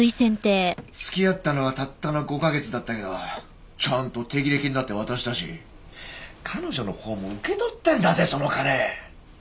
付き合ったのはたったの５カ月だったけどちゃんと手切れ金だって渡したし彼女のほうも受け取ってんだぜその金！